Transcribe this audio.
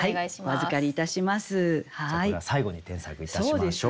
じゃあこれは最後に添削いたしましょう。